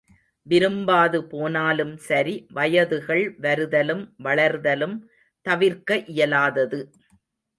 விரும்பாது போனாலும் சரி வயதுகள் வருதலும் வளர்தலும் தவிர்க்க இயலாதது.